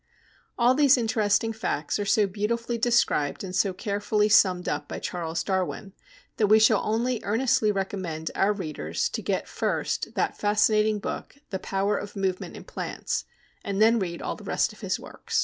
All these interesting facts are so beautifully described and so carefully summed up by Charles Darwin, that we shall only earnestly recommend our readers to get first that fascinating book The Power of Movement in Plants, and then read all the rest of his works.